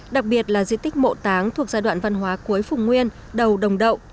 đặc biệt là di tích mộ táng thuộc giai đoạn văn hóa cuối phùng nguyên đầu đồng đậu